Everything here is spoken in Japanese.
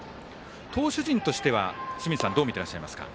投手陣としては、清水さんどう見ていらっしゃいますか。